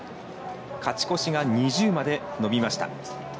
勝ち越しが２０まで伸びました。